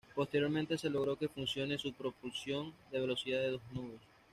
Posteriormente se logró que funcione su propulsión, de velocidad de dos nudos.